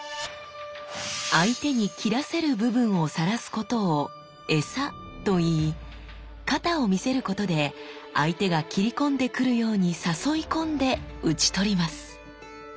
相手に斬らせる部分をさらすことを餌と言い肩を見せることで相手が斬り込んでくるように誘い込んで打ち取ります。